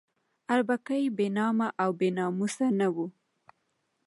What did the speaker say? اربکی بې نامه او بې ناموسه نه وو.